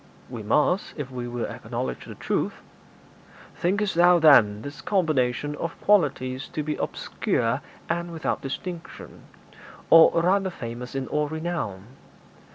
'We must if we will acknowledge the truth.' 'Thinkest thou, then, this combination of qualities to be obscure and without distinction, or rather famous in all renown?